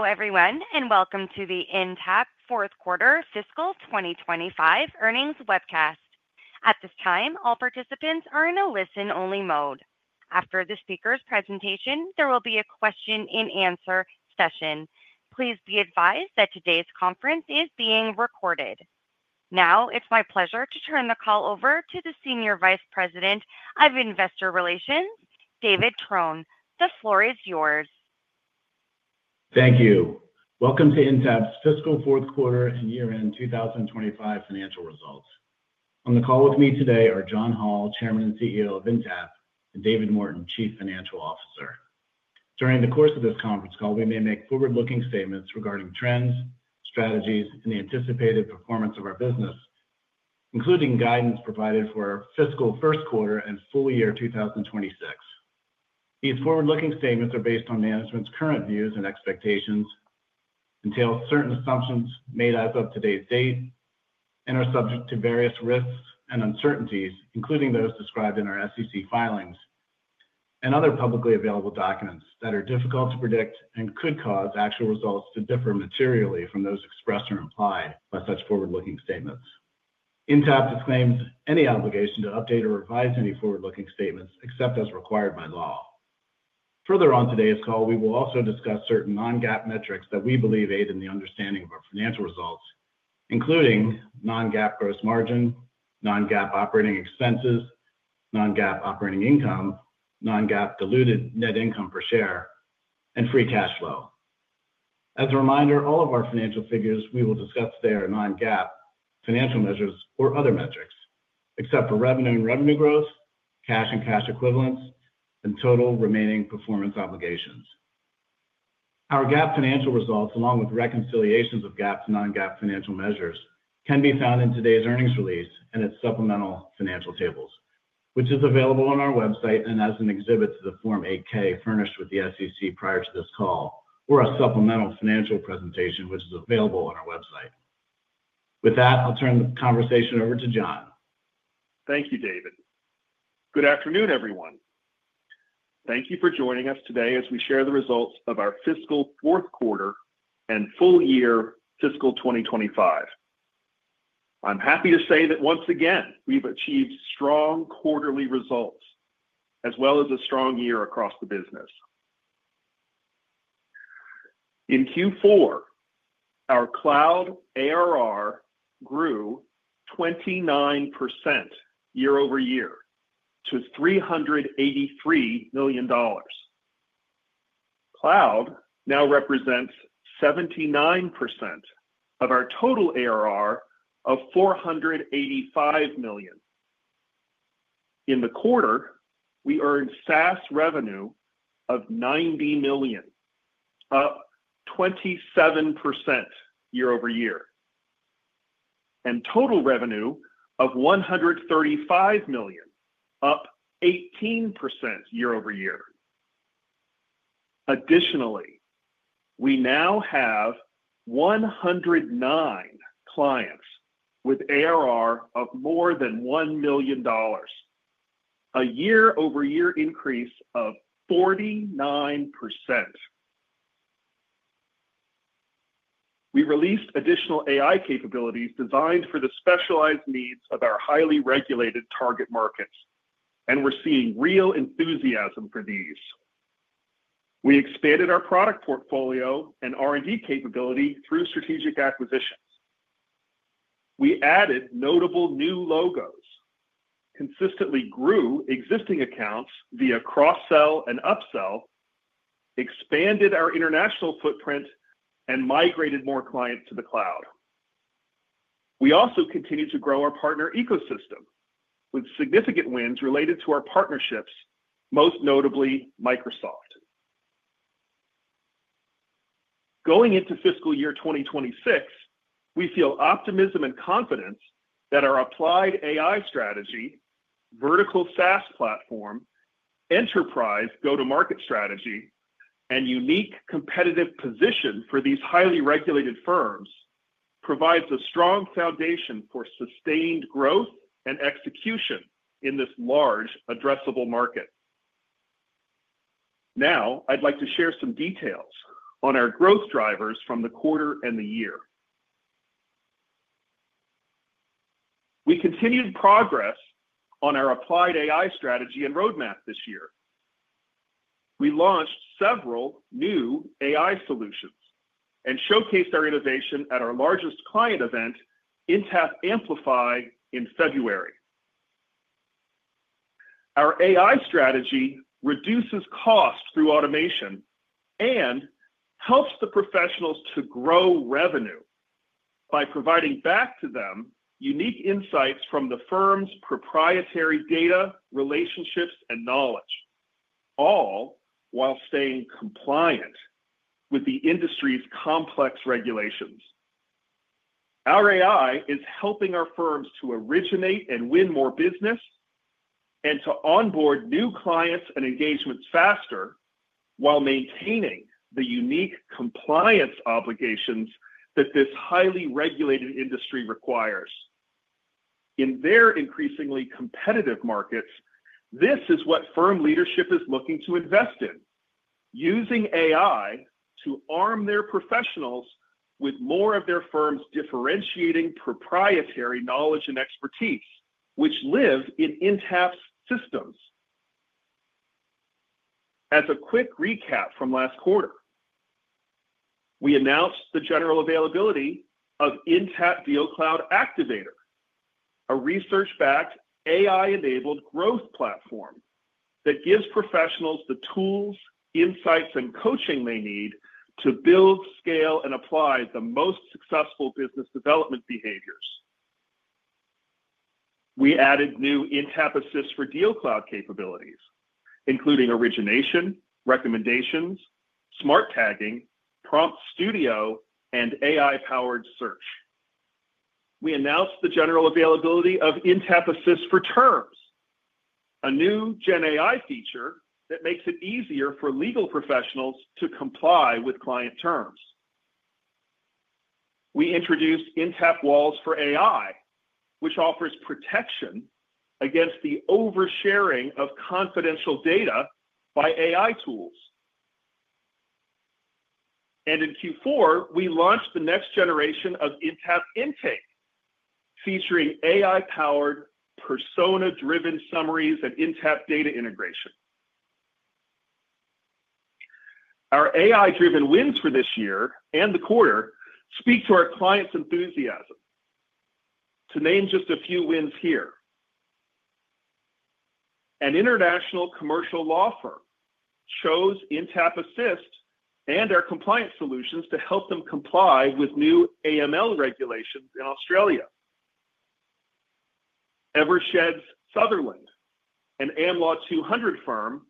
Hello everyone, and welcome to the Intapp Fourth Quarter Fiscal 2025 Earnings Webcast. At this time, all participants are in a listen-only mode. After the speaker's presentation, there will be a question-and-answer session. Please be advised that today's conference is being recorded. Now, it's my pleasure to turn the call over to the Senior Vice President of Investor Relations, David Trone. The floor is yours. Thank you. Welcome to Intapp's fiscal fourth quarter and year-end 2025 financial results. On the call with me today are John Hall, Chairman and CEO of Intapp, and David Morton, Chief Financial Officer. During the course of this conference call, we may make forward-looking statements regarding trends, strategies, and the anticipated performance of our business, including guidance provided for our fiscal first quarter and full year 2026. These forward-looking statements are based on management's current views and expectations, entail certain assumptions made as of today's date, and are subject to various risks and uncertainties, including those described in our SEC filings and other publicly available documents that are difficult to predict and could cause actual results to differ materially from those expressed or implied by such forward-looking statements. Intapp disclaims any obligation to update or revise any forward-looking statements except as required by law. Further on today's call, we will also discuss certain non-GAAP metrics that we believe aid in the understanding of our financial results, including non-GAAP gross margin, non-GAAP operating expenses, non-GAAP operating income, non-GAAP diluted net income per share, and free cash flow. As a reminder, all of our financial figures we will discuss today are non-GAAP financial measures or other metrics, except for revenue and revenue growth, cash and cash equivalents, and total remaining performance obligations. Our GAAP financial results, along with reconciliations of GAAP to non-GAAP financial measures, can be found in today's earnings release and its supplemental financial tables, which is available on our website and as an exhibit to the Form 8-K furnished with the SEC prior to this call, or a supplemental financial presentation, which is available on our website. With that, I'll turn the conversation over to John. Thank you, David. Good afternoon, everyone. Thank you for joining us today as we share the results of our fiscal fourth quarter and full year fiscal 2025. I'm happy to say that once again, we've achieved strong quarterly results as well as a strong year across the business. In Q4, our cloud ARR grew 29% year-over-year to $383 million. Cloud now represents 79% of our total ARR of $485 million. In the quarter, we earned SaaS revenue of $90 million, up 27% year-over-year, and total revenue of $135 million, up 18% year-over-year. Additionally, we now have 109 clients with ARR of more than $1 million, a year-over-year increase of 49%. We released additional AI capabilities designed for the specialized needs of our highly regulated target markets, and we're seeing real enthusiasm for these. We expanded our product portfolio and R&D capability through strategic acquisitions. We added notable new logos, consistently grew existing accounts via cross-sell and upsell, expanded our international footprint, and migrated more clients to the cloud. We also continue to grow our partner ecosystem with significant wins related to our partnerships, most notably Microsoft. Going into fiscal year 2026, we feel optimism and confidence that our applied AI strategy, vertical SaaS platform, enterprise go-to-market strategy, and unique competitive position for these highly regulated firms provide a strong foundation for sustained growth and execution in this large addressable market. Now, I'd like to share some details on our growth drivers from the quarter and the year. We continued progress on our applied AI strategy and roadmap this year. We launched several new AI solutions and showcased our innovation at our largest client event, Intapp Amplify, in February. Our AI strategy reduces costs through automation and helps the professionals to grow revenue by providing back to them unique insights from the firm's proprietary data, relationships, and knowledge, all while staying compliant with the industry's complex regulations. Our AI is helping our firms to originate and win more business and to onboard new clients and engagement faster while maintaining the unique compliance obligations that this highly regulated industry requires. In their increasingly competitive markets, this is what firm leadership is looking to invest in, using AI to arm their professionals with more of their firm's differentiating proprietary knowledge and expertise, which live in Intapp's systems. As a quick recap from last quarter, we announced the general availability of Intapp DealCloud Activator, a research-backed AI-enabled growth platform that gives professionals the tools, insights, and coaching they need to build, scale, and apply the most successful business development behaviors. We added new Intapp Assist for DealCloud capabilities, including origination, recommendations, smart tagging, Prompt Studio, and AI-powered search. We announced the general availability of Intapp Assist for Terms, a new gen AI feature that makes it easier for legal professionals to comply with client terms. We introduced Intapp Walls for AI, which offers protection against the oversharing of confidential data by AI tools. In Q4, we launched the next generation of Intapp Intake, featuring AI-powered persona-driven summaries and Intapp data integration. Our AI-driven wins for this year and the quarter speak to our clients' enthusiasm. To name just a few wins here, an international commercial law firm chose Intapp Assist and our compliance solutions to help them comply with new AML regulations in Australia. Eversheds Sutherland, an Am Law 200 firm,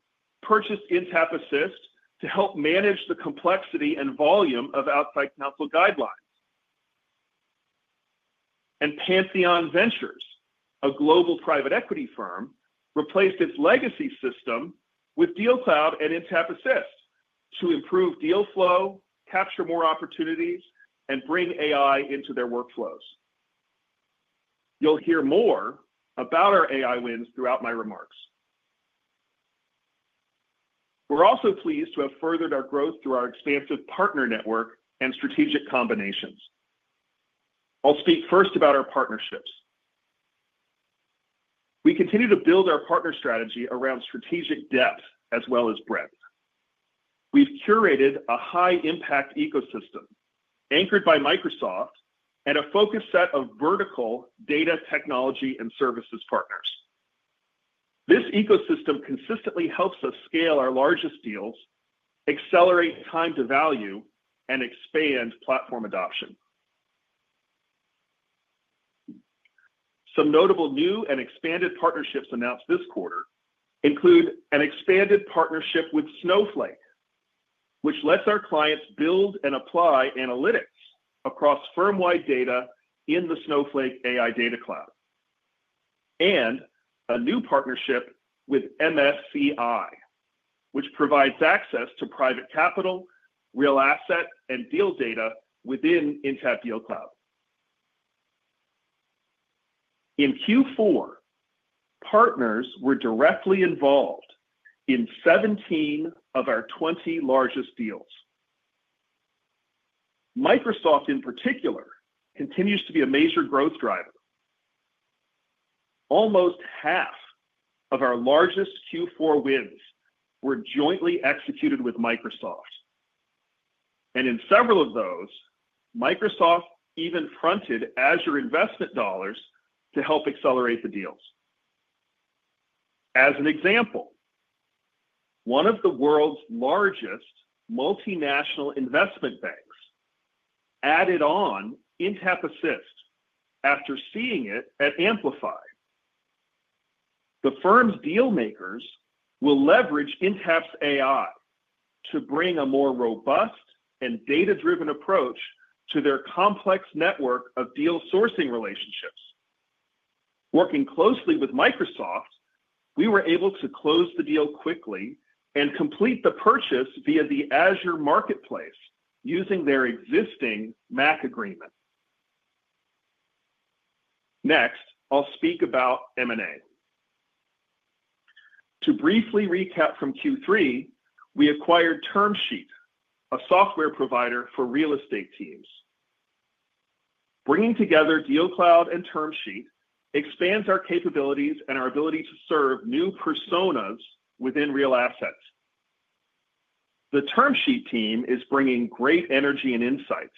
purchased Intapp Assist to help manage the complexity and volume of outside counsel guidelines. Pantheon Ventures, a global private equity firm, replaced its legacy system with DealCloud and Intapp Assist to improve deal flow, capture more opportunities, and bring AI into their workflows. You'll hear more about our AI wins throughout my remarks. We're also pleased to have furthered our growth through our expansive partner network and strategic combinations. I'll speak first about our partnerships. We continue to build our partner strategy around strategic depth as well as breadth. We've curated a high-impact ecosystem anchored by Microsoft and a focused set of vertical data technology and services partners. This ecosystem consistently helps us scale our largest deals, accelerate time to value, and expand platform adoption. Some notable new and expanded partnerships announced this quarter include an expanded partnership with Snowflake, which lets our clients build and apply analytics across firm-wide data in the Snowflake AI Data Cloud. A new partnership with MSCI provides access to private capital, real asset, and deal data within Intapp DealCloud. In Q4, partners were directly involved in 17 of our 20 largest deals. Microsoft, in particular, continues to be a major growth driver. Almost half of our largest Q4 wins were jointly executed with Microsoft. In several of those, Microsoft even fronted Azure investment dollars to help accelerate the deals. As an example, one of the world's largest multinational investment banks added on Intapp Assist after seeing it at Amplify. The firm's dealmakers will leverage Intapp's AI to bring a more robust and data-driven approach to their complex network of deal sourcing relationships. Working closely with Microsoft, we were able to close the deal quickly and complete the purchase via the Azure Marketplace using their existing MAC agreement. Next, I'll speak about M&A. To briefly recap from Q3, we acquired TermSheet, a software provider for real estate teams. Bringing together DealCloud and TermSheet expands our capabilities and our ability to serve new personas within real assets. The TermSheet team is bringing great energy and insights,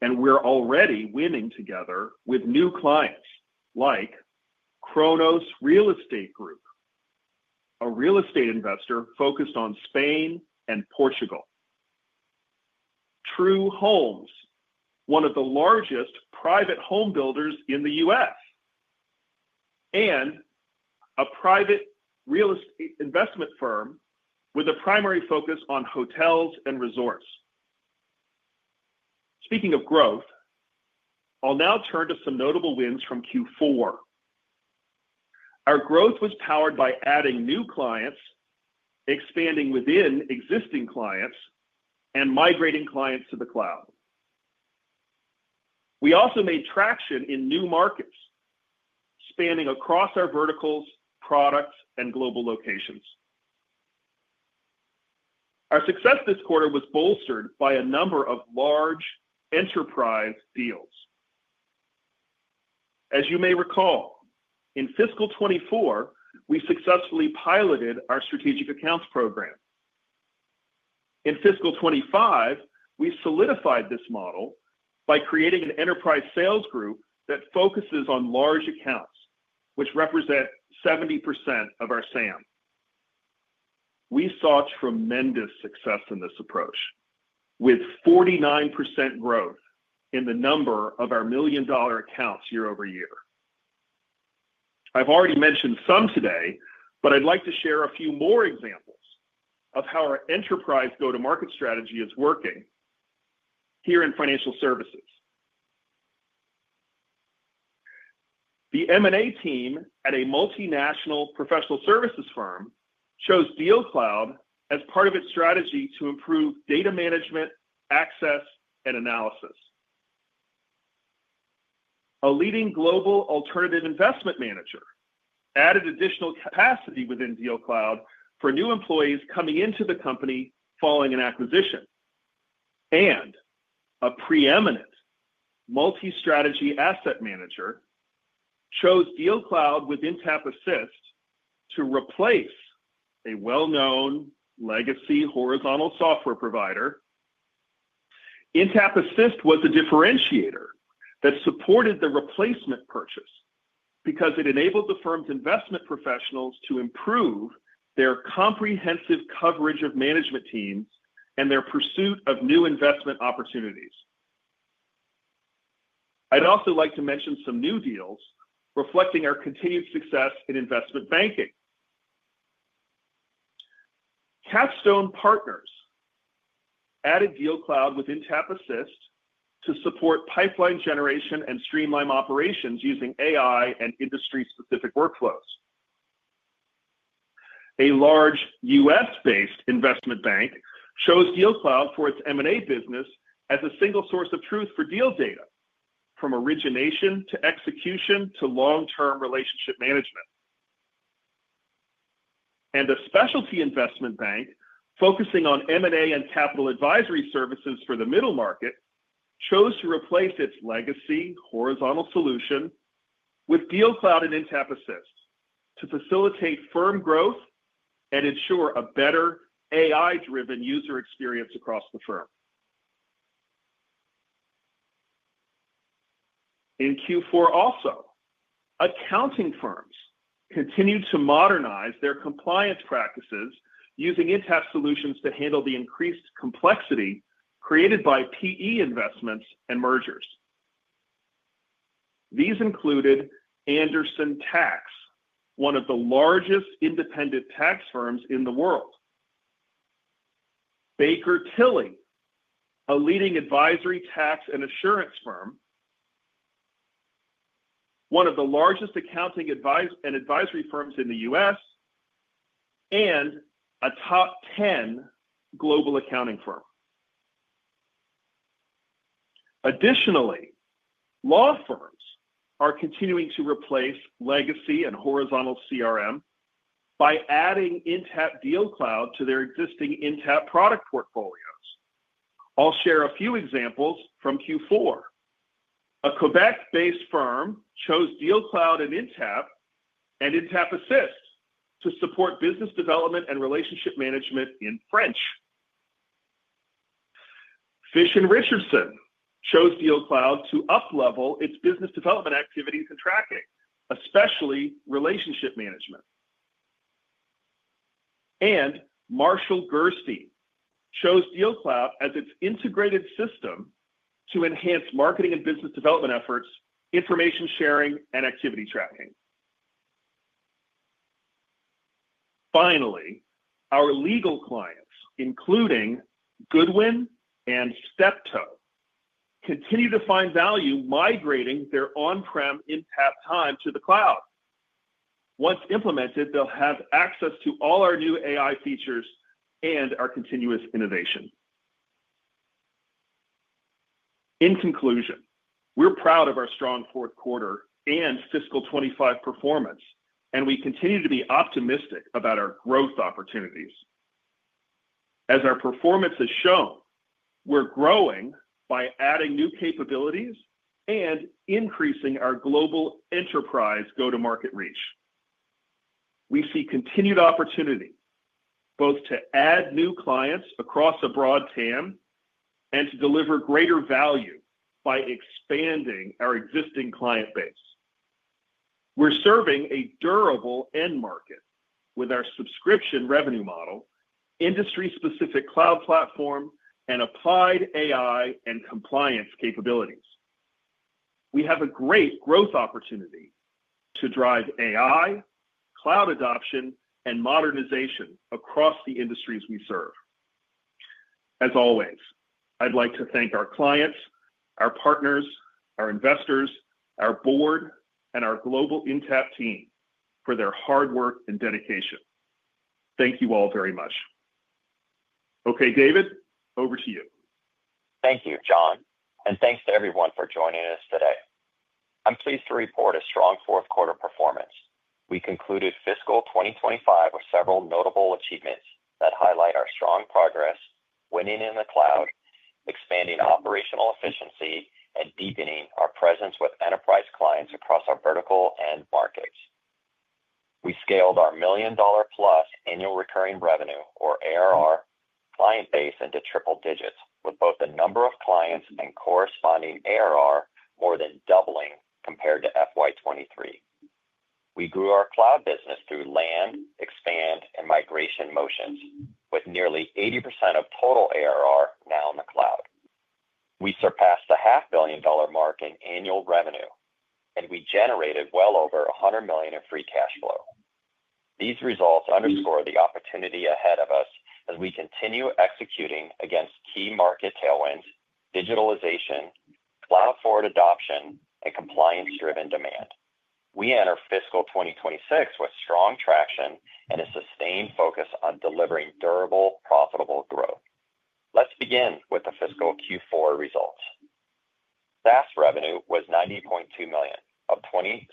and we're already winning together with new clients like Kronos Real Estate Group, a real estate investor focused on Spain and Portugal, True Homes, one of the largest private home builders in the U.S., and a private real estate investment firm with a primary focus on hotels and resorts. Speaking of growth, I'll now turn to some notable wins from Q4. Our growth was powered by adding new clients, expanding within existing clients, and migrating clients to the cloud. We also made traction in new markets, spanning across our verticals, products, and global locations. Our success this quarter was bolstered by a number of large enterprise deals. As you may recall, in fiscal 2024, we successfully piloted our strategic accounts program. In fiscal 2025, we solidified this model by creating an enterprise sales group that focuses on large accounts, which represent 70% of our SAM. We saw tremendous success in this approach, with 49% growth in the number of our million-dollar accounts year-over-year. I've already mentioned some today, but I'd like to share a few more examples of how our enterprise go-to-market strategy is working here in financial services. The M&A team at a multinational professional services firm chose DealCloud as part of its strategy to improve data management, access, and analysis. A leading global alternative investment manager added additional capacity within DealCloud for new employees coming into the company following an acquisition. A preeminent multi-strategy asset manager chose DealCloud with Intapp Assist to replace a well-known legacy horizontal software provider. Intapp Assist was a differentiator that supported the replacement purchase because it enabled the firm's investment professionals to improve their comprehensive coverage of management teams and their pursuit of new investment opportunities. I'd also like to mention some new deals reflecting our continued success in investment banking. Capstone Partners added DealCloud with Intapp Assist to support pipeline generation and streamline operations using AI and industry-specific workflows. A large U.S.-based investment bank chose DealCloud for its M&A business as a single source of truth for deal data, from origination to execution to long-term relationship management. A specialty investment bank focusing on M&A and capital advisory services for the middle market chose to replace its legacy horizontal solution with DealCloud and Intapp Assist to facilitate firm growth and ensure a better AI-driven user experience across the firm. In Q4, accounting firms continued to modernize their compliance practices using Intapp solutions to handle the increased complexity created by PE investments and mergers. These included Andersen Tax, one of the largest independent tax firms in the world, Baker Tilly, a leading advisory, tax, and assurance firm, one of the largest accounting and advisory firms in the U.S., and a top 10 global accounting firm. Additionally, law firms are continuing to replace legacy and horizontal CRM by adding Intapp DealCloud to their existing Intapp product portfolios. I'll share a few examples from Q4. A Quebec-based firm chose DealCloud and Intapp and Intapp Assist to support business development and relationship management in French. Fish & Richardson chose DealCloud to uplevel its business development activities and tracking, especially relationship management. Marshall, Gerstein chose DealCloud as its integrated system to enhance marketing and business development efforts, information sharing, and activity tracking. Finally, our legal clients, including Goodwin and Steptoe, continue to find value migrating their on-prem Intapp Time to the cloud. Once implemented, they'll have access to all our new AI features and our continuous innovation. In conclusion, we're proud of our strong fourth quarter and fiscal 2025 performance, and we continue to be optimistic about our growth opportunities. As our performance has shown, we're growing by adding new capabilities and increasing our global enterprise go-to-market reach. We see continued opportunity both to add new clients across a broad TAM and to deliver greater value by expanding our existing client base. We're serving a durable end market with our subscription revenue model, industry-specific cloud platform, and applied AI and compliance capabilities. We have a great growth opportunity to drive AI, cloud adoption, and modernization across the industries we serve. As always, I'd like to thank our clients, our partners, our investors, our board, and our global Intapp team for their hard work and dedication. Thank you all very much. Okay, David, over to you. Thank you, John, and thanks to everyone for joining us today. I'm pleased to report a strong fourth quarter performance. We concluded fiscal 2025 with several notable achievements that highlight our strong progress winning in the cloud, expanding operational efficiency, and deepening our presence with enterprise clients across our vertical and markets. We scaled our million-dollar plus annual recurring revenue, or ARR, client base into triple digits with both the number of clients and corresponding ARR more than doubling compared to FY 2023. We grew our cloud business through land, expand, and migration motions with nearly 80% of total ARR now in the cloud. We surpassed the half billion dollar mark in annual revenue, and we generated well over $100 million in free cash flow. These results underscore the opportunity ahead of us as we continue executing against key market tailwinds, digitalization, cloud-forward adoption, and compliance-driven demand. We enter fiscal 2026 with strong traction and a sustained focus on delivering durable, profitable growth. Let's begin with the fiscal Q4 results. SaaS revenue was $90.2 million, up 27%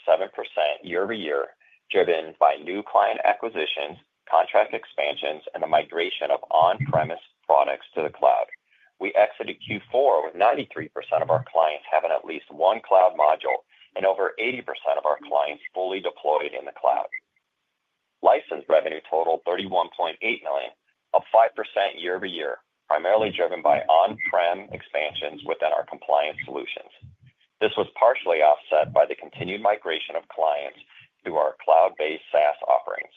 year-over-year, driven by new client acquisitions, contract expansions, and the migration of on-premise products to the cloud. We exited Q4 with 93% of our clients having at least one cloud module and over 80% of our clients fully deployed in the cloud. License revenue totaled $31.8 million, up 5% year-over-year, primarily driven by on-prem expansions within our compliance solutions. This was partially offset by the continued migration of clients to our cloud-based SaaS offerings.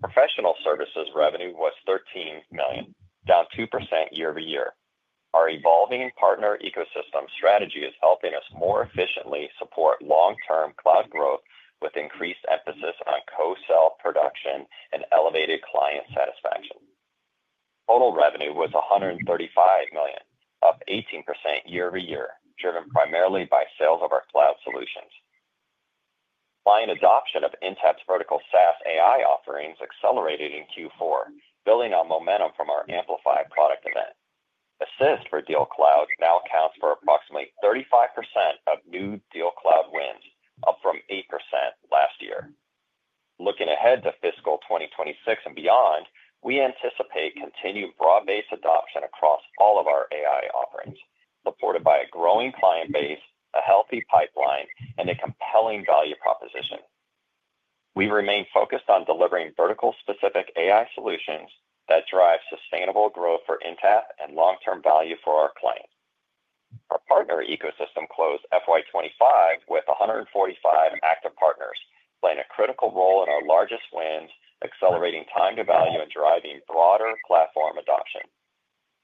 Professional services revenue was $13 million, down 2% year-over-year. Our evolving partner ecosystem strategy is helping us more efficiently support long-term cloud growth with increased emphasis on co-sell production and elevated client satisfaction. Total revenue was $135 million, up 18% year-over-year, driven primarily by sales of our cloud solutions. Client adoption of Intapp's vertical SaaS AI offerings accelerated in Q4, building on momentum from our Amplify product event. Intapp Assist for DealCloud now accounts for approximately 35% of new DealCloud wins, up from 8% last year. Looking ahead to fiscal 2026 and beyond, we anticipate continued broad-based adoption across all of our AI offerings, supported by a growing client base, a healthy pipeline, and a compelling value proposition. We remain focused on delivering vertical-specific AI solutions that drive sustainable growth for Intapp and long-term value for our clients. Our partner ecosystem closed FY 2025 with 145 active partners, playing a critical role in our largest wins, accelerating time to value, and driving broader platform adoption.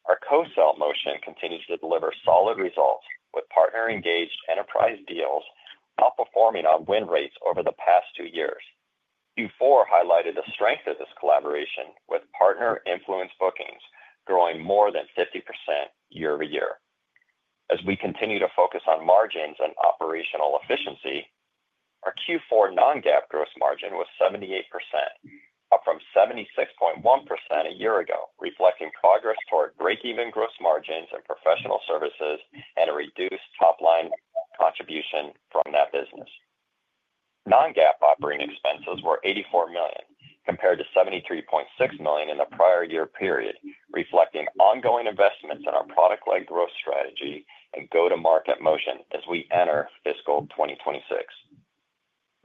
Our co-sell motion continues to deliver solid results with partner-engaged enterprise deals outperforming on win rates over the past two years. Q4 highlighted the strength of this collaboration with partner-influenced bookings growing more than 50% year-over-year. As we continue to focus on margins and operational efficiency, our Q4 non-GAAP gross margin was 78%, up from 76.1% a year ago, reflecting progress toward break-even gross margins in professional services and a reduced top-line contribution from that business. Non-GAAP operating expenses were $84 million compared to $73.6 million in the prior year period, reflecting ongoing investments in our product-led growth strategy and go-to-market motion as we enter fiscal 2026.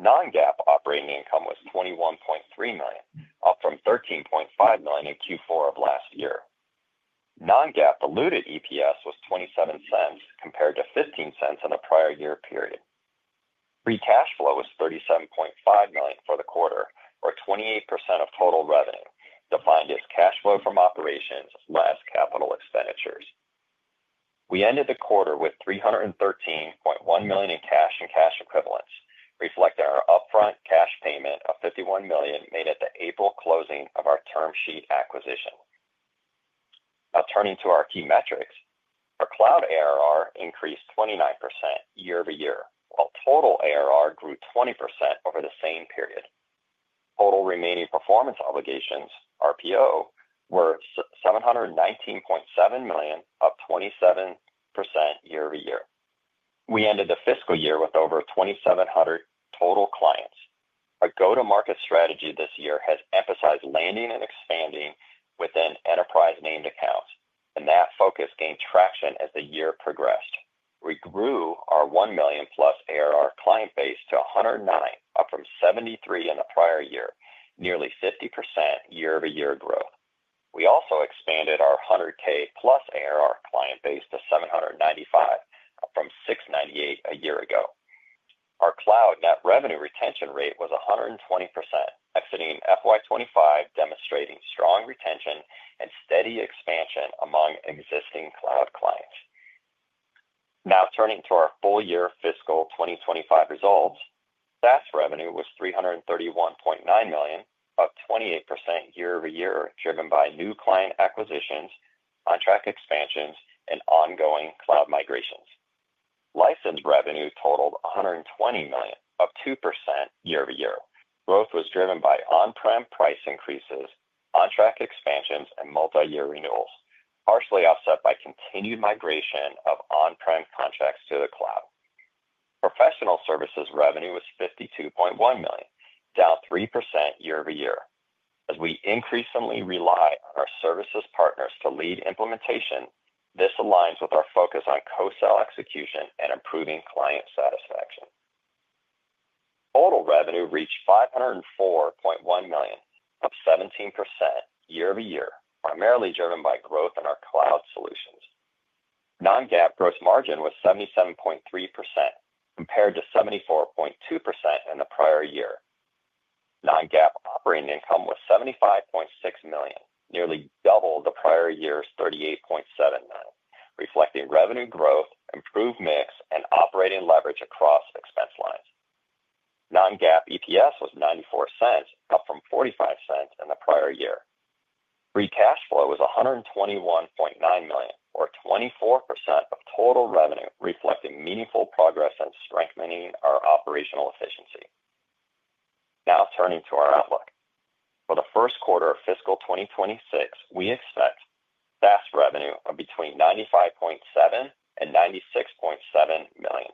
Non-GAAP operating income was $21.3 million, up from $13.5 million in Q4 of last year. Non-GAAP diluted EPS was $0.27 compared to $0.15 in the prior year period. Free cash flow was $37.5 million for the quarter, or 28% of total revenue, defined as cash flow from operations less capital expenditures. We ended the quarter with $313.1 million in cash and cash equivalents, reflecting our upfront cash payment of $51 million made at the April closing of our TermSheet acquisition. Now turning to our key metrics, our cloud ARR increased 29% year-over-year, while total ARR grew 20% over the same period. Total remaining performance obligations, RPO, were $719.7 million, up 27% year-over-year. We ended the fiscal year with over 2,700 total clients. Our go-to-market strategy this year has emphasized landing and expanding within enterprise named accounts, and that focus gained traction as the year progressed. We grew our $1 million plus ARR client base to 109, up from 73 in the prior year, nearly 50% year-over-year growth. We also expanded our $100,000 plus ARR client base to 795 from 698 a year ago. Our cloud net revenue retention rate was 120%, exiting FY 2025, demonstrating strong retention and steady expansion among existing cloud clients. Now turning to our full-year fiscal 2025 results, SaaS revenue was $331.9 million, up 28% year-over-year, driven by new client acquisitions, contract expansions, and ongoing cloud migrations. License revenue totaled $120 million, up 2% year-over-year. Growth was driven by on-prem price increases, contract expansions, and multi-year renewals, partially offset by continued migration of on-prem contracts to the cloud. Professional services revenue was $52.1 million, down 3% year-over-year. As we increasingly rely on our services partners to lead implementation, this aligns with our focus on co-sell execution and improving client satisfaction. Total revenue reached $504.1 million, up 17% year-over-year, primarily driven by growth in our cloud solutions. Non-GAAP gross margin was 77.3% compared to 74.2% in the prior year. Non-GAAP operating income was $75.6 million, nearly double the prior year's $38.7 million, reflecting revenue growth, improved mix, and operating leverage across expense lines. Non-GAAP EPS was $0.94, up from $0.45 in the prior year. Free cash flow was $121.9 million, or 24% of total revenue, reflecting meaningful progress in strengthening our operational efficiency. Now turning to our outlook. For the first quarter of fiscal 2026, we expect SaaS revenue of between $95.7 million and $96.7 million.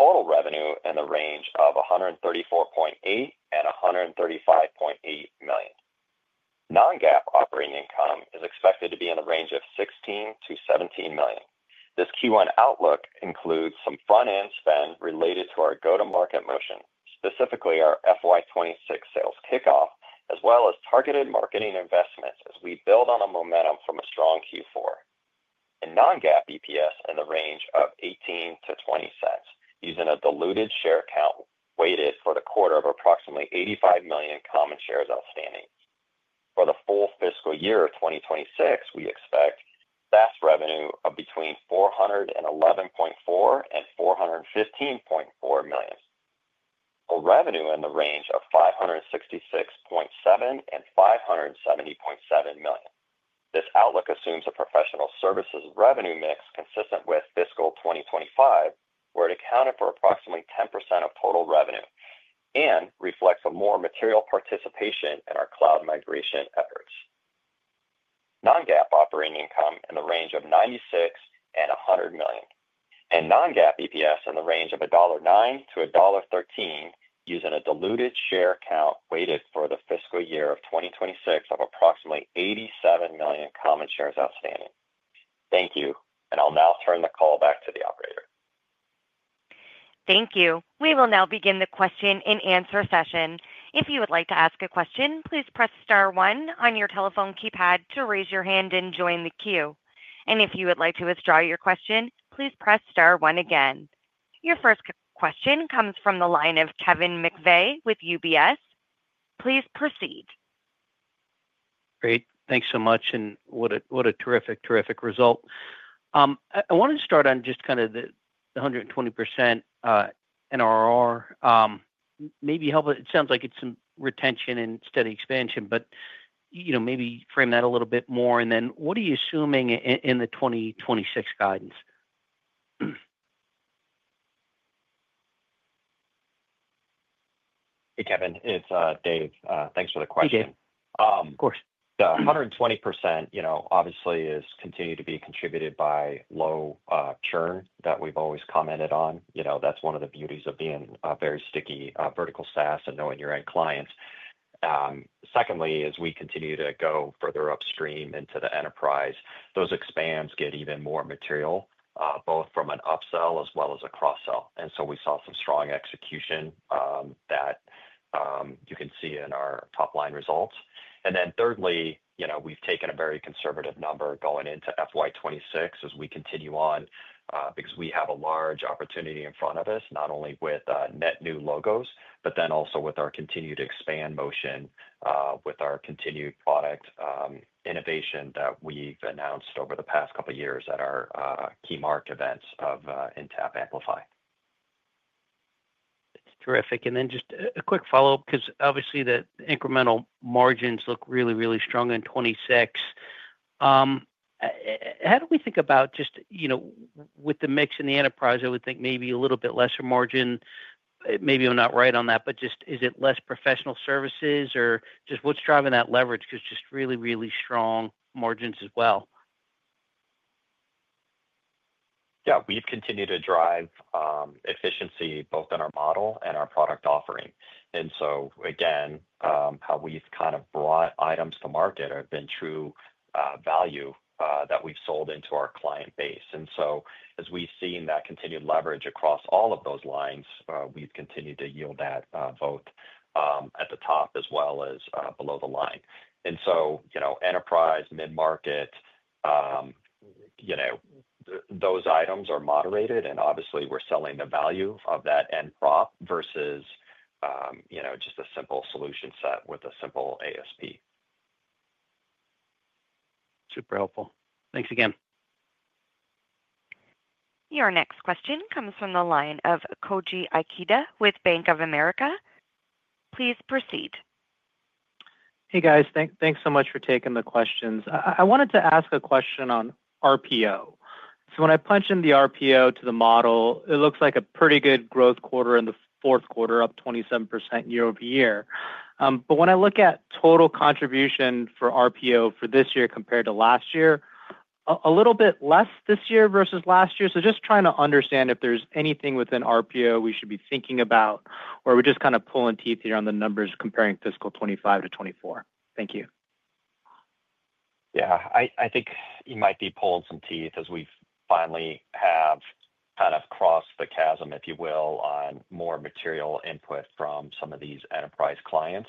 Total revenue in the range of $134.8 million and $135.8 million. Non-GAAP operating income is expected to be in the range of $16 million-$17 million. This Q1 outlook includes some front-end spend related to our go-to-market motion, specifically our FY 2026 sales kickoff, as well as targeted marketing investments as we build on momentum from a strong Q4. Non-GAAP EPS in the range of $0.18-$0.20, using a diluted share count weighted for the quarter of approximately 85 million common shares outstanding. For the full fiscal year of 2026, we expect SaaS revenue of between $411.4 million and $415.4 million, and revenue in the range of $566.7 million and $570.7 million. This outlook assumes a professional services revenue mix consistent with fiscal 2025, where it accounted for approximately 10% of total revenue and reflects a more material participation in our cloud migration efforts. Non-GAAP operating income in the range of $96 million and $100 million, and non-GAAP EPS in the range of $1.09-$1.13, using a diluted share count weighted for the fiscal year of 2026 of approximately 87 million common shares outstanding. Thank you, and I'll now turn the call back to the operator. Thank you. We will now begin the question-and-answer session. If you would like to ask a question, please press star one on your telephone keypad to raise your hand and join the queue. If you would like to withdraw your question, please press star one again. Your first question comes from the line of Kevin McVeigh with UBS. Please proceed. Great. Thanks so much. What a terrific, terrific result. I wanted to start on just kind of the 120% NRR. Maybe help it. It sounds like it's some retention and steady expansion, but you know maybe frame that a little bit more. What are you assuming in the 2026 guidance? Hey, Kevin. It's Dave. Thanks for the question. Hey, David. Of course. The 120%, you know, obviously is continuing to be contributed by low churn that we've always commented on. That's one of the beauties of being a very sticky vertical SaaS and knowing your end clients. Secondly, as we continue to go further upstream into the enterprise, those expands get even more material, both from an upsell as well as a cross-sell. We saw some strong execution that you can see in our top-line results. Thirdly, we've taken a very conservative number going into FY 2026 as we continue on because we have a large opportunity in front of us, not only with net new logos, but then also with our continued expand motion, with our continued product innovation that we've announced over the past couple of years at our key mark events of Intapp Amplify. It's terrific. Just a quick follow-up because obviously the incremental margins look really, really strong on 2026. How do we think about, with the mix in the enterprise, I would think maybe a little bit lesser margin. Maybe I'm not right on that, but is it less professional services or just what's driving that leverage? Just really, really strong margins as well. Yeah, we've continued to drive efficiency both in our model and our product offering. Again, how we've kind of brought items to market has been true value that we've sold into our client base. As we've seen that continued leverage across all of those lines, we've continued to yield that both at the top as well as below the line. Enterprise, mid-market, those items are moderated and obviously we're selling the value of that end prop versus just a simple solution set with a simple ASP. Super helpful. Thanks again. Your next question comes from the line of Koji Ikeda with Bank of America. Please proceed. Hey guys, thanks so much for taking the questions. I wanted to ask a question on RPO. When I punch in the RPO to the model, it looks like a pretty good growth quarter in the fourth quarter, up 27% year-over-year. When I look at total contribution for RPO for this year compared to last year, a little bit less this year versus last year. Just trying to understand if there's anything within RPO we should be thinking about, or are we just kind of pulling teeth here on the numbers comparing fiscal 2025 to 2024? Thank you. I think you might be pulling some teeth as we finally have kind of crossed the chasm, if you will, on more material input from some of these enterprise clients.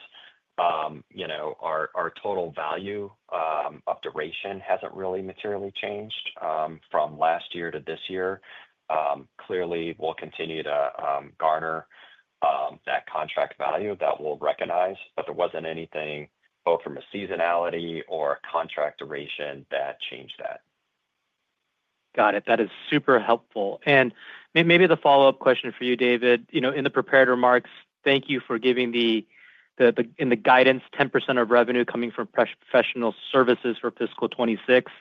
Our total value of duration hasn't really materially changed from last year to this year. Clearly, we'll continue to garner that contract value that we'll recognize, but there wasn't anything both from a seasonality or contract duration that changed that. Got it. That is super helpful. Maybe the follow-up question for you, David, in the prepared remarks, thank you for giving the, in the guidance, 10% of revenue coming from professional services for fiscal 2026.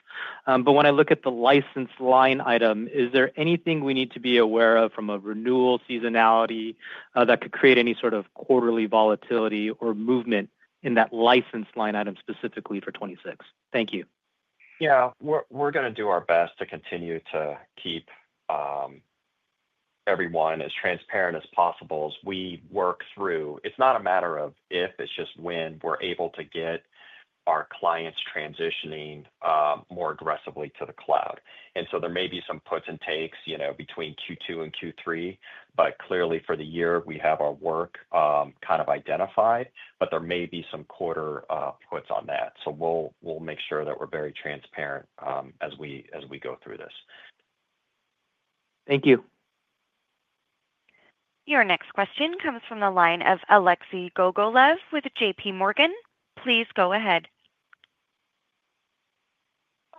When I look at the license line item, is there anything we need to be aware of from a renewal seasonality that could create any sort of quarterly volatility or movement in that license line item specifically for 2026? Thank you. Yeah, we're going to do our best to continue to keep everyone as transparent as possible as we work through. It's not a matter of if, it's just when we're able to get our clients transitioning more aggressively to the cloud. There may be some puts and takes between Q2 and Q3, but clearly for the year, we have our work kind of identified, but there may be some quarter puts on that. We'll make sure that we're very transparent as we go through this. Thank you. Your next question comes from the line of Alexei Gogolev with JPMorgan. Please go ahead.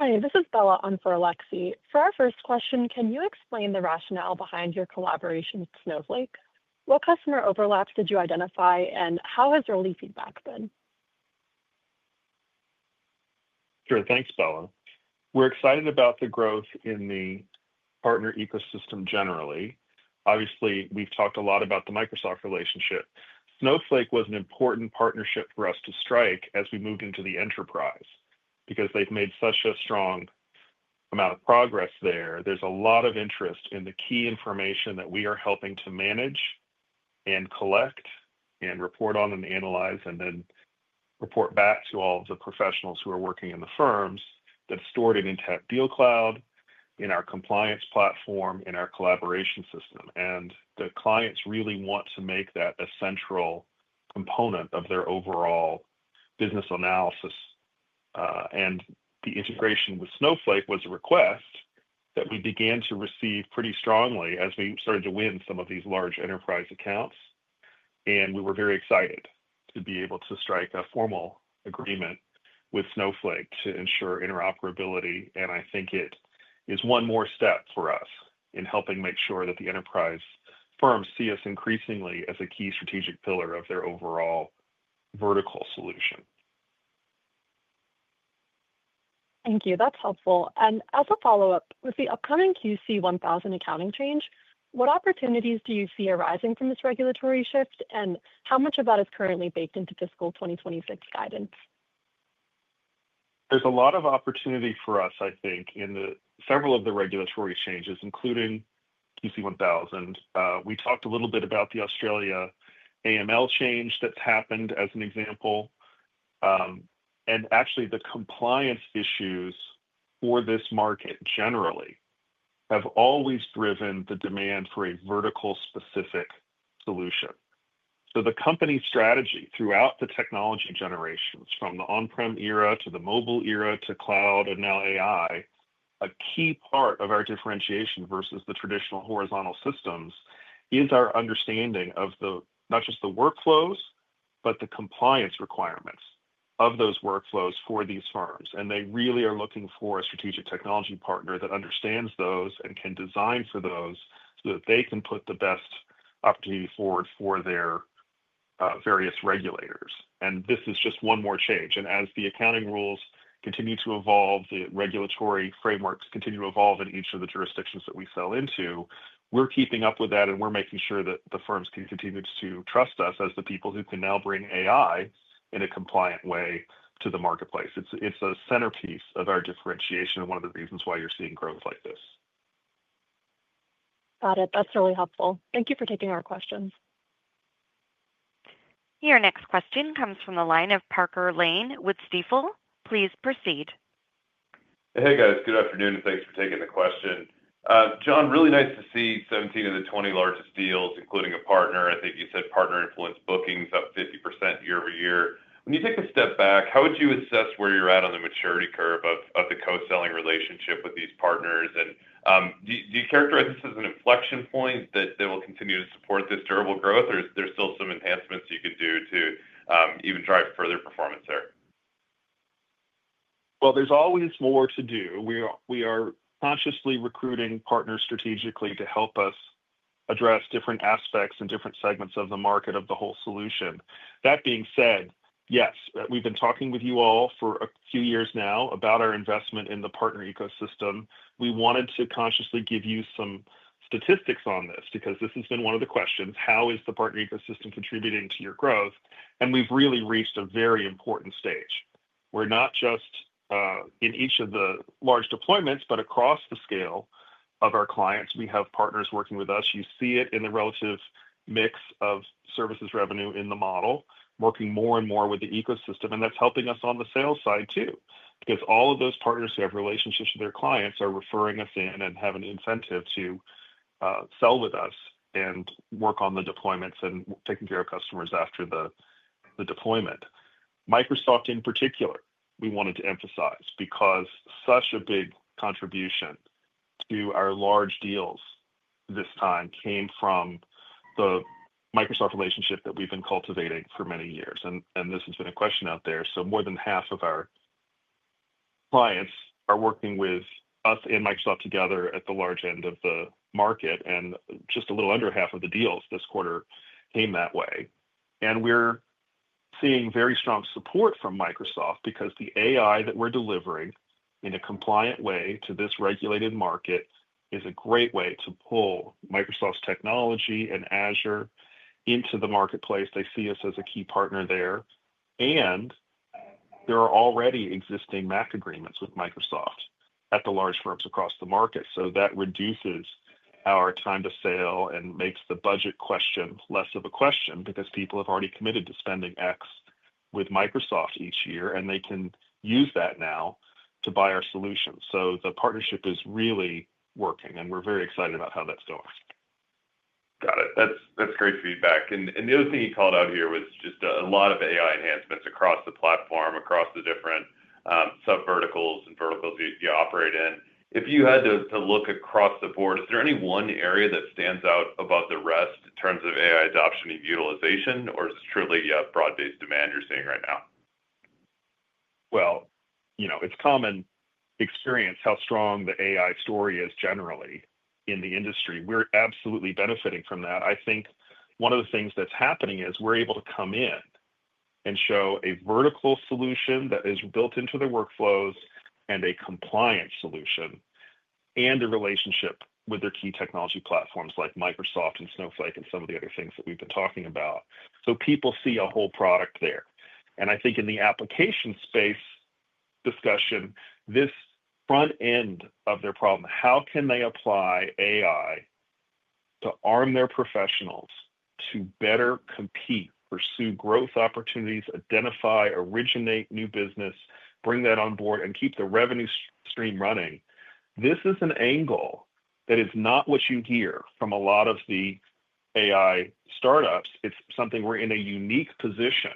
Hi, this is Bella on for Alexei. For our first question, can you explain the rationale behind your collaboration with Snowflake? What customer overlaps did you identify, and how has early feedback been? Sure, thanks, Bella. We're excited about the growth in the partner ecosystem generally. Obviously, we've talked a lot about the Microsoft relationship. Snowflake was an important partnership for us to strike as we moved into the enterprise because they've made such a strong amount of progress there. There's a lot of interest in the key information that we are helping to manage and collect and report on and analyze and then report back to all of the professionals who are working in the firms that are stored in Intapp DealCloud, in our compliance platform, in our collaboration system. The clients really want to make that a central component of their overall business analysis. The integration with Snowflake was a request that we began to receive pretty strongly as we started to win some of these large enterprise accounts. We were very excited to be able to strike a formal agreement with Snowflake to ensure interoperability. I think it is one more step for us in helping make sure that the enterprise firms see us increasingly as a key strategic pillar of their overall vertical solution. Thank you. That's helpful. As a follow-up, with the upcoming QC 1000 accounting change, what opportunities do you see arising from this regulatory shift, and how much of that is currently baked into fiscal 2026 guidance? There's a lot of opportunity for us, I think, in several of the regulatory changes, including QC 1000. We talked a little bit about the Australia AML change that's happened as an example. Actually, the compliance issues for this market generally have always driven the demand for a vertical-specific solution. The company strategy throughout the technology generations, from the on-prem era to the mobile era to cloud and now AI, a key part of our differentiation versus the traditional horizontal systems is our understanding of not just the workflows, but the compliance requirements of those workflows for these firms. They really are looking for a strategic technology partner that understands those and can design for those so that they can put the best opportunity forward for their various regulators. This is just one more change. As the accounting rules continue to evolve, the regulatory frameworks continue to evolve in each of the jurisdictions that we sell into, we're keeping up with that and we're making sure that the firms can continue to trust us as the people who can now bring AI in a compliant way to the marketplace. It's the centerpiece of our differentiation and one of the reasons why you're seeing growth like this. Got it. That's really helpful. Thank you for taking our questions. Your next question comes from the line of Parker Lane with Stifel. Please proceed. Hey guys, good afternoon, and thanks for taking the question. John, really nice to see 17 of the 20 largest deals, including a partner. I think you said partner-influenced bookings up 50% year-over-year. When you take a step back, how would you assess where you're at on the maturity curve of the co-selling relationship with these partners? Do you characterize this as an inflection point that will continue to support this durable growth, or is there still some enhancements you could do to even drive further performance there? There is always more to do. We are consciously recruiting partners strategically to help us address different aspects and different segments of the market of the whole solution. That being said, yes, we've been talking with you all for a few years now about our investment in the partner ecosystem. We wanted to consciously give you some statistics on this because this has been one of the questions. How is the partner ecosystem contributing to your growth? We've really reached a very important stage. We're not just in each of the large deployments, but across the scale of our clients, we have partners working with us. You see it in the relative mix of services revenue in the model, working more and more with the ecosystem, and that's helping us on the sales side too, because all of those partners who have relationships with their clients are referring us in and have an incentive to sell with us and work on the deployments and taking care of customers after the deployment. Microsoft in particular, we wanted to emphasize because such a big contribution to our large deals this time came from the Microsoft relationship that we've been cultivating for many years. This has been a question out there. More than half of our clients are working with us and Microsoft together at the large end of the market, and just a little under half of the deals this quarter came that way. We're seeing very strong support from Microsoft because the AI that we're delivering in a compliant way to this regulated market is a great way to pull Microsoft's technology and Azure into the marketplace. They see us as a key partner there. There are already existing MAC agreements with Microsoft at the large firms across the market. That reduces our time to sale and makes the budget question less of a question because people have already committed to spending X with Microsoft each year, and they can use that now to buy our solutions. The partnership is really working, and we're very excited about how that's going. Got it. That's great feedback. The other thing you called out here was just a lot of AI enhancements across the platform, across the different sub-verticals and verticals that you operate in. If you had to look across the board, is there any one area that stands out above the rest in terms of AI adoption and utilization, or is this truly a broad-based demand you're seeing right now? It is common experience how strong the AI story is generally in the industry. We're absolutely benefiting from that. I think one of the things that's happening is we're able to come in and show a vertical solution that is built into their workflows and a compliant solution and a relationship with their key technology platforms like Microsoft and Snowflake and some of the other things that we've been talking about. People see a whole product there. I think in the application space discussion, this front end of their problem, how can they apply AI to arm their professionals to better compete, pursue growth opportunities, identify, originate new business, bring that on board, and keep the revenue stream running? This is an angle that is not what you hear from a lot of the AI startups. It's something we're in a unique position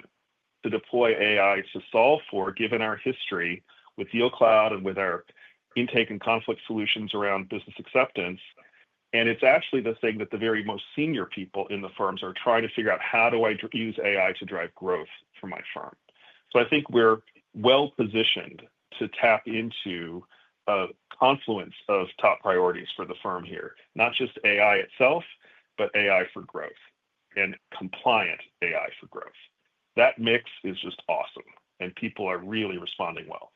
to deploy AI to solve for, given our history with DealCloud and with our intake and conflict solutions around business acceptance. It's actually the thing that the very most senior people in the firms are trying to figure out, how do I use AI to drive growth for my firm? I think we're well positioned to tap into a confluence of top priorities for the firm here, not just AI itself, but AI for growth and compliant AI for growth. That mix is just awesome, and people are really responding well.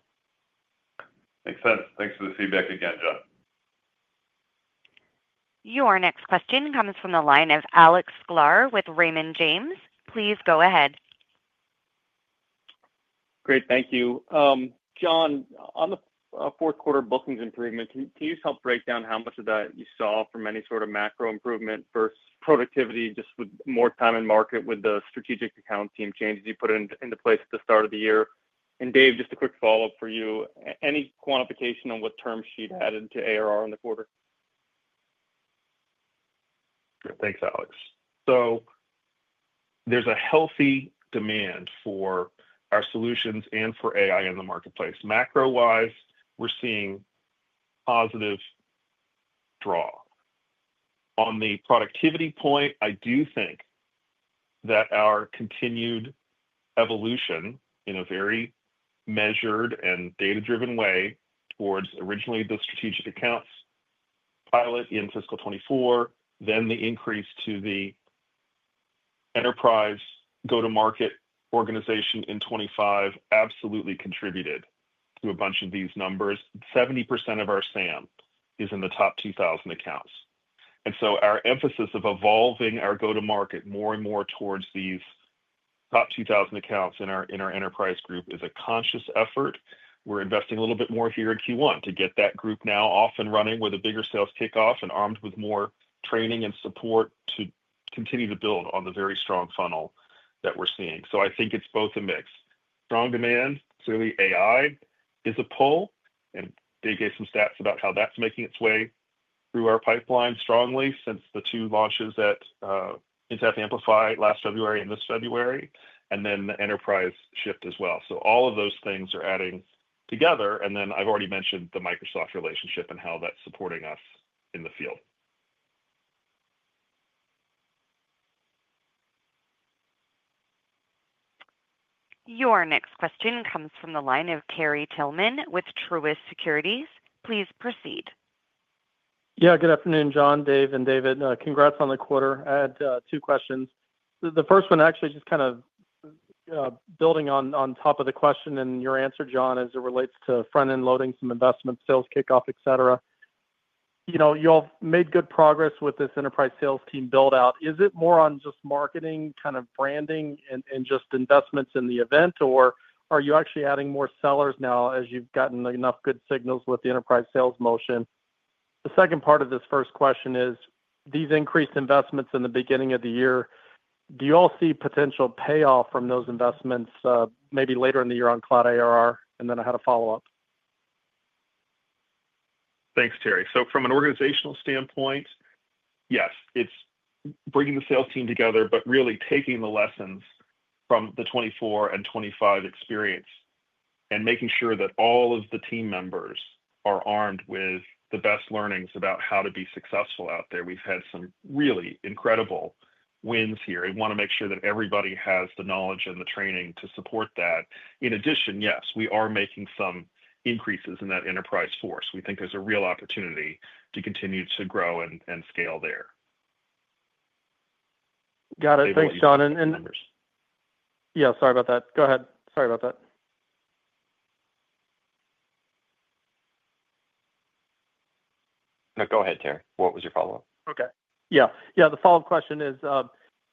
Makes sense. Thanks for the feedback again, John. Your next question comes from the line of Alex Sklar with Raymond James. Please go ahead. Great, thank you. John, on the fourth quarter bookings improvement, can you just help break down how much of that you saw from any sort of macro improvement for productivity, just with more time in market with the strategic account team changes you put into place at the start of the year? Dave, just a quick follow-up for you, any quantification on what TermSheet added to ARR in the quarter? Thanks, Alex. There's a healthy demand for our solutions and for AI in the marketplace. macro-wise, we're seeing positive draw. On the productivity point, I do think that our continued evolution in a very measured and data-driven way towards originally the strategic accounts pilot in fiscal 2024, then the increase to the enterprise go-to-market organization in 2025 absolutely contributed to a bunch of these numbers. 70% of our SAM is in the top 2,000 accounts. Our emphasis of evolving our go-to-market more and more towards these top 2,000 accounts in our enterprise group is a conscious effort. We're investing a little bit more here in Q1 to get that group now off and running with a bigger sales kickoff and armed with more training and support to continue to build on the very strong funnel that we're seeing. I think it's both a mix. Strong demand, clearly AI is a pull, and Dave gave some stats about how that's making its way through our pipeline strongly since the two launches at Intapp Amplify last February and this February, and the enterprise shift as well. All of those things are adding together, and I've already mentioned the Microsoft relationship and how that's supporting us in the field. Your next question comes from the line of Terry Tillman with Truist Securities. Please proceed. Yeah, good afternoon, John, Dave, and David. Congrats on the quarter. I had two questions. The first one actually just kind of building on top of the question and your answer, John, as it relates to front-end loading, some investment, sales kickoff, et cetera. You know, you all made good progress with this enterprise sales team build-out. Is it more on just marketing, kind of branding, and just investments in the event, or are you actually adding more sellers now as you've gotten enough good signals with the enterprise sales motion? The second part of this first question is, these increased investments in the beginning of the year, do you all see potential payoff from those investments maybe later in the year on cloud ARR? I had a follow-up. Thanks, Terry. From an organizational standpoint, yes, it's bringing the sales team together, but really taking the lessons from the 2024 and 2025 experience and making sure that all of the team members are armed with the best learnings about how to be successful out there. We've had some really incredible wins here. I want to make sure that everybody has the knowledge and the training to support that. In addition, yes, we are making some increases in that enterprise force. We think there's a real opportunity to continue to grow and scale there. Got it. Thanks, John. Sorry about that. Go ahead. Sorry about that. No, go ahead, Terry. What was your follow-up? Yeah, the follow-up question is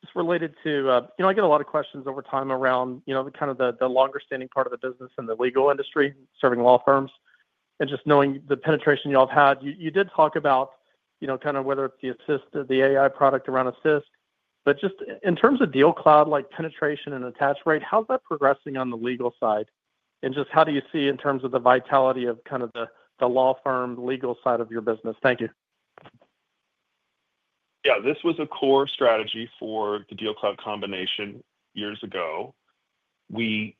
just related to, you know, I get a lot of questions over time around, you know, the kind of the longer-standing part of the business in the legal industry, serving law firms, and just knowing the penetration you all have had. You did talk about, you know, kind of whether it be Assist, the AI product around Assist, but just in terms of DealCloud, like penetration and attach rate, how's that progressing on the legal side? Just how do you see in terms of the vitality of kind of the law firm, the legal side of your business? Thank you. Yeah, this was a core strategy for the DealCloud combination years ago. We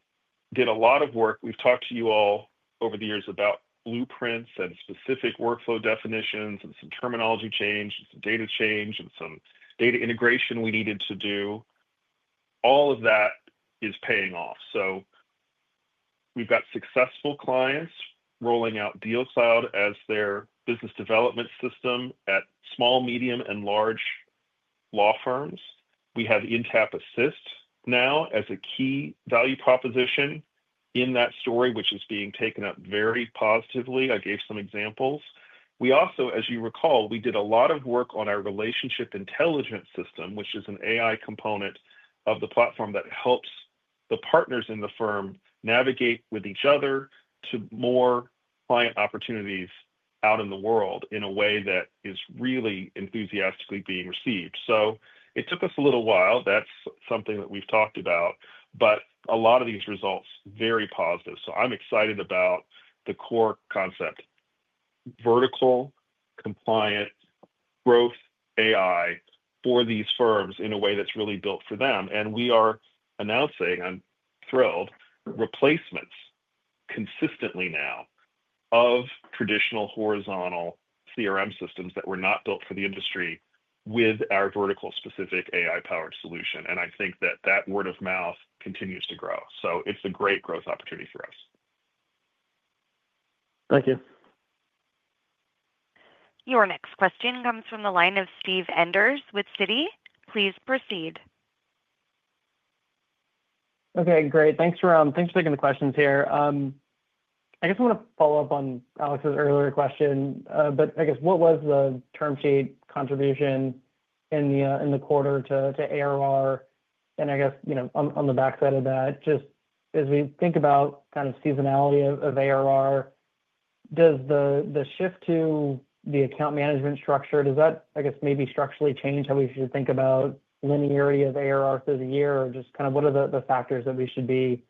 did a lot of work. We've talked to you all over the years about blueprints and specific workflow definitions and some terminology change, some data change, and some data integration we needed to do. All of that is paying off. We've got successful clients rolling out DealCloud as their business development system at small, medium, and large law firms. We have Intapp Assist now as a key value proposition in that story, which is being taken up very positively. I gave some examples. As you recall, we did a lot of work on our relationship intelligence system, which is an AI component of the platform that helps the partners in the firm navigate with each other to more client opportunities out in the world in a way that is really enthusiastically being received. It took us a little while. That's something that we've talked about, but a lot of these results are very positive. I'm excited about the core concept, vertical compliant growth AI for these firms in a way that's really built for them. We are announcing, I'm thrilled, replacements consistently now of traditional horizontal CRM systems that were not built for the industry with our vertical specific AI-powered solution. I think that word of mouth continues to grow. It's a great growth opportunity for us. Thank you. Your next question comes from the line of Steve Enders with Citi. Please proceed. Okay, great. Thanks for taking the questions here. I want to follow up on Alex's earlier question. What was the TermSheet contribution in the quarter to ARR? On the backside of that, as we think about seasonality of ARR, does the shift to the account management structure maybe structurally change how we should think about linearity of ARR through the year, or what are the factors that we should be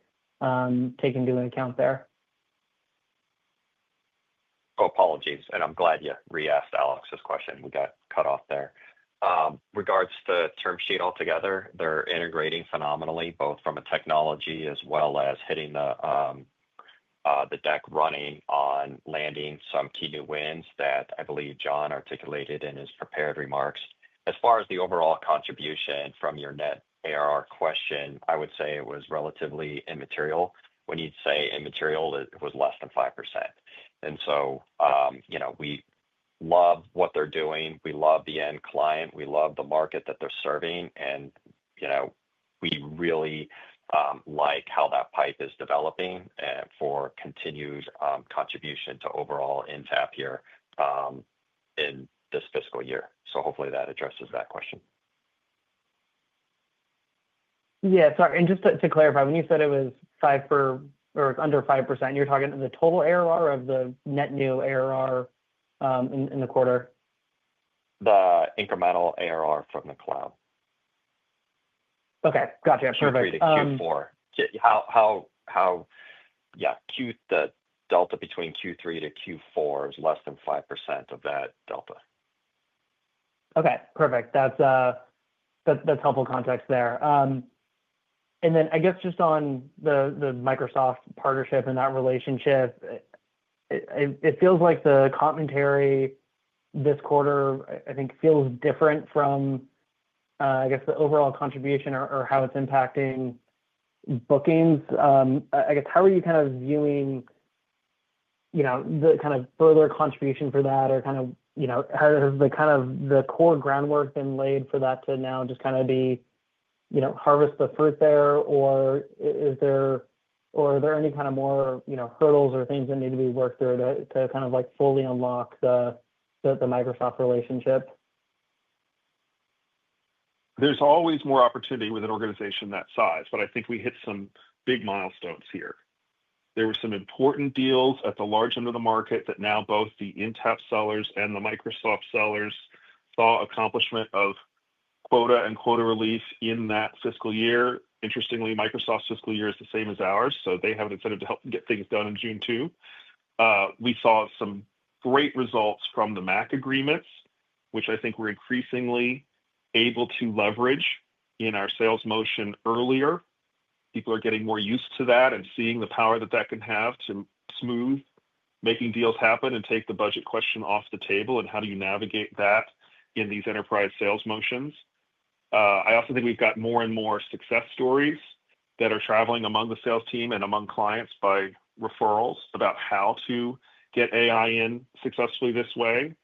taking into account there? Oh, apologies. I'm glad you re-asked Alex's question. We got cut off there. Regards to the TermSheet altogether, they're integrating phenomenally, both from a technology as well as hitting the deck running on landing some key new wins that I believe John articulated in his prepared remarks. As far as the overall contribution from your net ARR question, I would say it was relatively immaterial. When you'd say immaterial, it was less than 5%. We love what they're doing. We love the end client. We love the market that they're serving. We really like how that pipe is developing for continued contribution to overall Intapp here in this fiscal year. Hopefully that addresses that question. Sorry, just to clarify, when you said it was 5% or under 5%, you're talking the total ARR or of the net new ARR in the quarter? The incremental annual recurring revenue from the cloud. Okay. Gotcha. From Q3 to Q4, Q3 to Q4 is less than 5% of that delta. Okay. Perfect. That's helpful context there. I guess just on the Microsoft partnership and that relationship, it feels like the commentary this quarter feels different from the overall contribution or how it's impacting bookings. I guess, how are you kind of viewing the kind of further contribution for that, or has the core groundwork been laid for that to now just be harvest the fruit there, or are there any kind of more hurdles or things that need to be worked through to fully unlock the Microsoft relationship? There's always more opportunity with an organization that size, but I think we hit some big milestones here. There were some important deals at the large end of the market that now both the Intapp sellers and the Microsoft sellers saw accomplishment of quota and quota relief in that fiscal year. Interestingly, Microsoft's fiscal year is the same as ours, so they have an incentive to help get things done in June too. We saw some great results from the MAC agreements, which I think we're increasingly able to leverage in our sales motion earlier. People are getting more used to that and seeing the power that that can have to smooth making deals happen and take the budget question off the table and how do you navigate that in these enterprise sales motions. I also think we've got more and more success stories that are traveling among the sales team and among clients by referrals about how to get AI in successfully this way.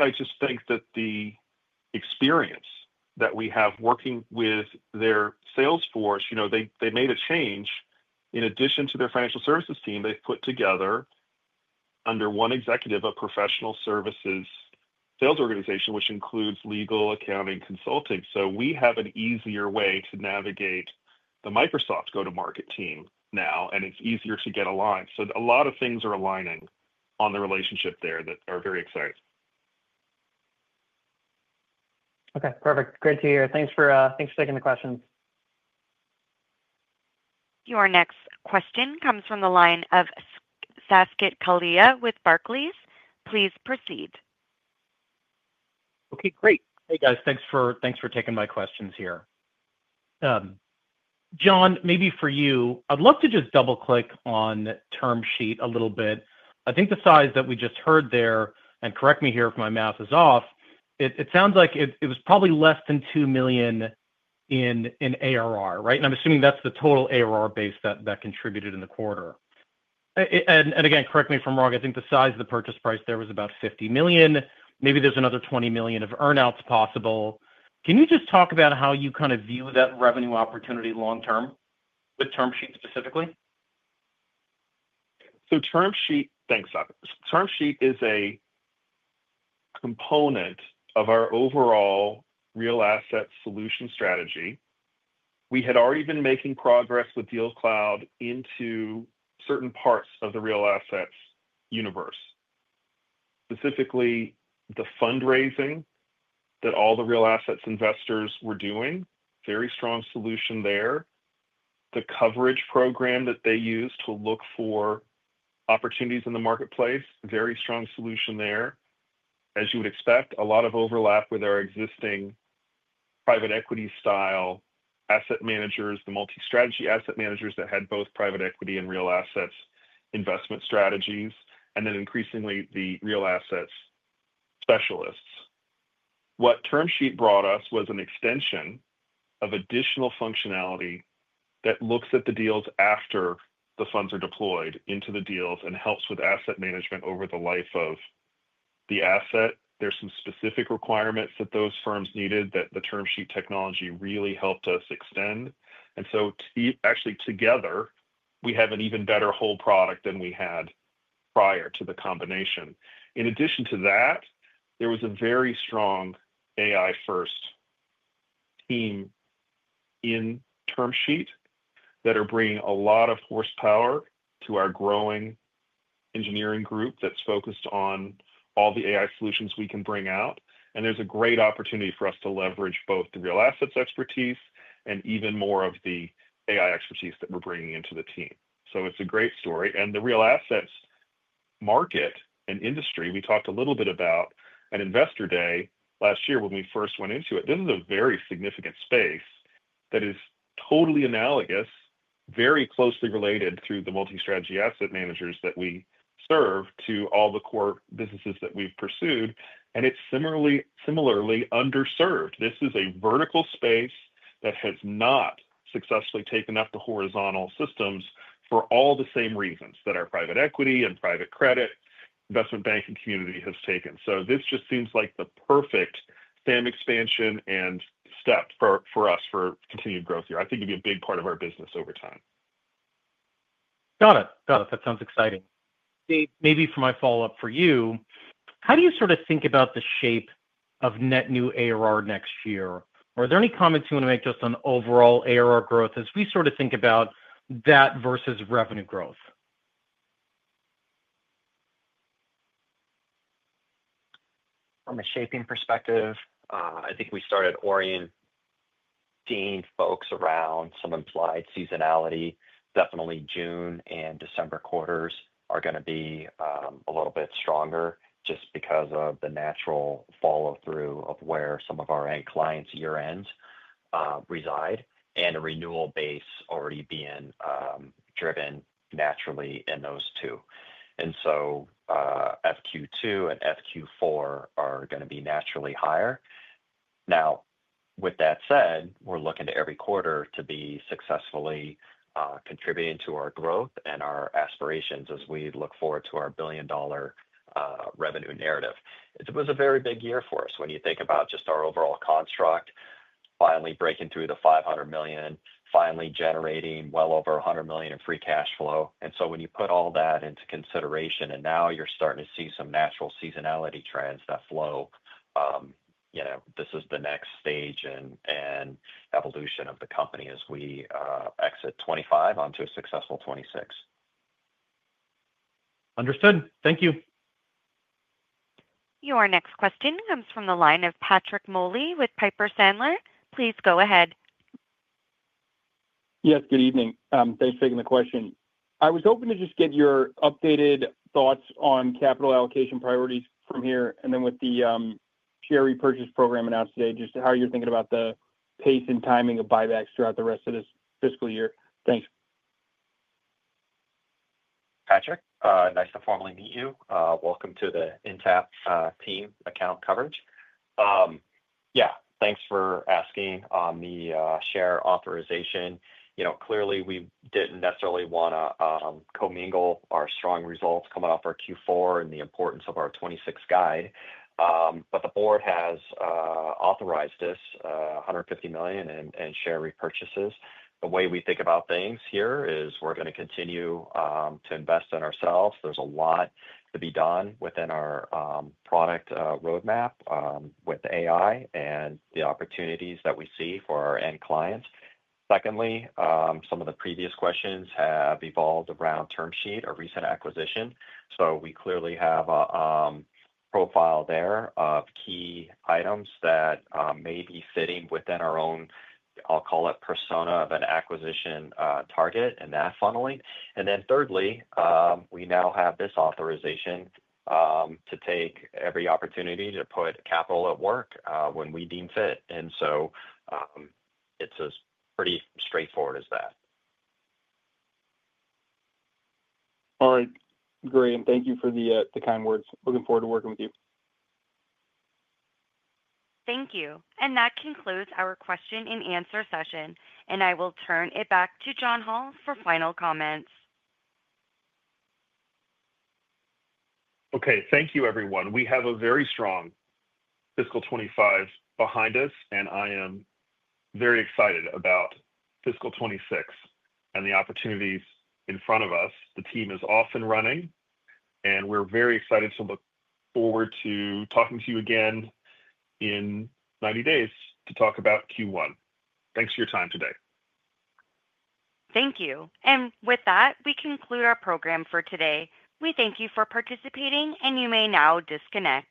I just think that the experience that we have working with their sales force, you know, they made a change in addition to their financial services team. They've put together under one executive a professional services sales organization, which includes legal, accounting, and consulting. We have an easier way to navigate the Microsoft go-to-market team now, and it's easier to get aligned. A lot of things are aligning on the relationship there that are very exciting. Okay. Perfect. Great to hear. Thanks for taking the questions. Your next question comes from the line of Saket Kalia with Barclays. Please proceed. Okay, great. Hey guys, thanks for taking my questions here. John, maybe for you, I'd love to just double-click on TermSheet a little bit. I think the size that we just heard there, and correct me here if my math is off, it sounds like it was probably less than $2 million in ARR, right? I'm assuming that's the total ARR base that contributed in the quarter. Correct me if I'm wrong, I think the size of the purchase price there was about $50 million. Maybe there's another $20 million of earnouts possible. Can you just talk about how you kind of view that revenue opportunity long-term with TermSheet specifically? TermSheet is a component of our overall real asset solution strategy. We had already been making progress with DealCloud into certain parts of the real assets universe, specifically the fundraising that all the real assets investors were doing, very strong solution there. The coverage program that they use to look for opportunities in the marketplace, very strong solution there. As you would expect, a lot of overlap with our existing private equity style asset managers, the multi-strategy asset managers that had both private equity and real assets investment strategies, and then increasingly the real assets specialists. What TermSheet brought us was an extension of additional functionality that looks at the deals after the funds are deployed into the deals and helps with asset management over the life of the asset. There are some specific requirements that those firms needed that the TermSheet technology really helped us extend. Actually, together, we have an even better whole product than we had prior to the combination. In addition to that, there was a very strong AI-first team in TermSheet that are bringing a lot of horsepower to our growing engineering group that's focused on all the AI solutions we can bring out. There's a great opportunity for us to leverage both the real assets expertise and even more of the AI expertise that we're bringing into the team. It's a great story. The real assets market and industry, we talked a little bit about at Investor Day last year when we first went into it. This is a very significant space that is totally analogous, very closely related through the multi-strategy asset managers that we serve to all the core businesses that we've pursued. It's similarly underserved. This is a vertical space that has not successfully taken up the horizontal systems for all the same reasons that our private equity and private credit investment banking community has taken. This just seems like the perfect SAM expansion and step for us for continued growth here. I think it'd be a big part of our business over time. Got it. Got it. That sounds exciting. Dave, maybe for my follow-up for you, how do you sort of think about the shape of net new ARR next year? Are there any comments you want to make just on overall ARR growth as we sort of think about that versus revenue growth? From a shaping perspective, I think we started orienting folks around some implied seasonality. Definitely, June and December quarters are going to be a little bit stronger just because of the natural follow-through of where some of our end clients' year-end reside and a renewal base already being driven naturally in those two. FQ2 and FQ4 are going to be naturally higher. With that said, we're looking to every quarter to be successfully contributing to our growth and our aspirations as we look forward to our billion-dollar revenue narrative. It was a very big year for us when you think about just our overall construct, finally breaking through the $500 million, finally generating well over $100 million in free cash flow. When you put all that into consideration, and now you're starting to see some natural seasonality trends that flow, this is the next stage and evolution of the company as we exit 2025 onto a successful 2026. Understood. Thank you. Your next question comes from the line of Patrick Moley with Piper Sandler. Please go ahead. Yeah, good evening. Thanks for taking the question. I was hoping to just get your updated thoughts on capital allocation priorities from here, and then with the share repurchase program announced today, just how you're thinking about the pace and timing of buybacks throughout the rest of this fiscal year. Thanks. Patrick, nice to formally meet you. Welcome to the Intapp team account coverage. Yeah, thanks for asking on the share repurchase authorization. You know, clearly, we didn't necessarily want to commingle our strong results coming off our Q4 and the importance of our 2026 guide. The board has authorized us $150 million in share repurchases. The way we think about things here is we're going to continue to invest in ourselves. There's a lot to be done within our product roadmap with the AI and the opportunities that we see for our end clients. Secondly, some of the previous questions have evolved around TermSheet, a recent acquisition. We clearly have a profile there of key items that may be sitting within our own, I'll call it persona of an acquisition target and that funneling. Thirdly, we now have this authorization to take every opportunity to put capital at work when we deem fit. It's as pretty straightforward as that. All right, great, and thank you for the kind words. Looking forward to working with you. Thank you. That concludes our question and answer session. I will turn it back to John Hall for final comments. Okay, thank you, everyone. We have a very strong fiscal 2025 behind us, and I am very excited about fiscal 2026 and the opportunities in front of us. The team is off and running, and we're very excited to look forward to talking to you again in 90 days to talk about Q1. Thanks for your time today. Thank you. With that, we conclude our program for today. We thank you for participating, and you may now disconnect.